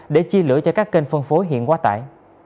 để chia lửa cho các kênh phân phối hiện quá tải